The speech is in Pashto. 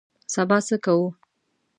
سبا څه کوو؟